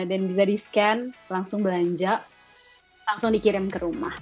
bisa di scan langsung belanja langsung dikirim ke rumah